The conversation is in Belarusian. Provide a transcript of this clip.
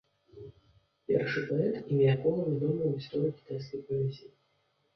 Першы паэт, імя якога вядома ў гісторыі кітайскай паэзіі.